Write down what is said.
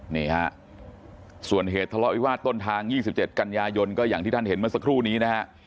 นี่ฮะส่วนเหตุทะเลาะวิวาสต้นทาง๒๗กันยายนก็อย่างที่ท่านเห็นเมื่อสักครู่นี้นะฮะ